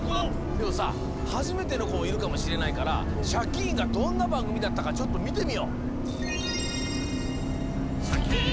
けどさはじめてのこもいるかもしれないから「シャキーン！」がどんなばんぐみだったかちょっとみてみよう。